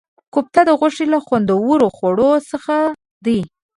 کوفته د غوښې له خوندورو خواړو څخه دی.